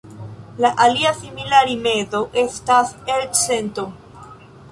La alia simila rimedo estas elcento.